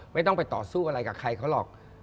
ไม่ต้องไปต่อสู้อะไรกับใครเขาหรอก